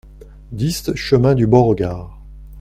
dix chemin du Beauregard